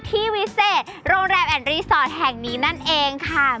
วิเศษโรงแรมแอนดรีสอร์ทแห่งนี้นั่นเองค่ะ